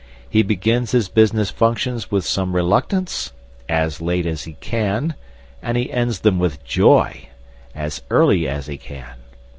He begins his business functions with some reluctance, as late as he can, and he ends them with joy, as early as he can.